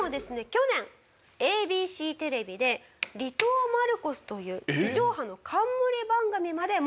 去年ＡＢＣテレビで『離島マルコス』という地上波の冠番組まで持っちゃったという。